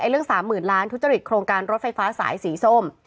เรื่อง๓๐๐๐ล้านทุจริตโครงการรถไฟฟ้าสายสีส้ม